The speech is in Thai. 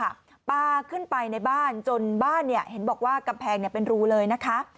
ปลาขึ้นไปในบ้านจนบ้านเนี่ยเห็นบอกว่ากำแพงเนี่ยเป็นรูเลยนะคะ